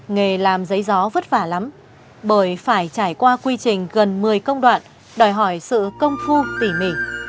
nghề làm giấy gió vất vả lắm bởi phải trải qua quy trình gần một mươi công đoạn đòi hỏi sự công phu tỉ mỉ